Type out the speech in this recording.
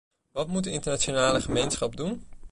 Wat moet de internationale gemeenschap doen?